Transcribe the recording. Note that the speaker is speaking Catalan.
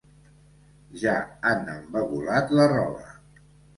Ja han embagulat la roba.